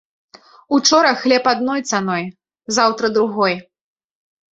Учора хлеб адной цаной, заўтра другой.